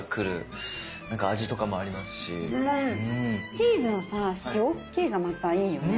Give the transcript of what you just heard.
チーズの塩気がまたいいよね。